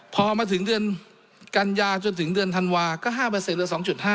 พอมาถึงเดือนกันยาจนถึงเดือนธันวาก็๕เหลือ๒๕